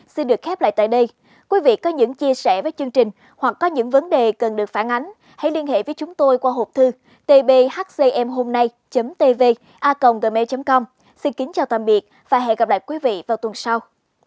xin kính chào tạm biệt và hẹn gặp lại quý vị vào tuần sau